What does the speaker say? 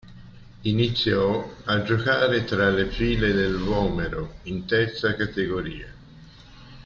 Iniziò a giocare tra le file del "Vomero" in Terza Categoria.